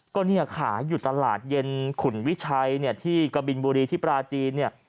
ก็เนี่ยขายอยู่ตลาดเย็นขุนวิชัยเนี่ยที่กะบินบุรีที่ปราจีนเนี่ย